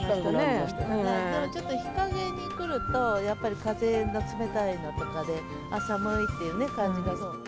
でも日陰に来ると、やっぱり風の冷たいのとかで、寒いっていう感じが。